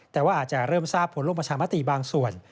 แต่ว่าอาจจะเริ่มทราบผลลงประชามติบางส่วน